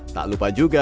tak lupa juga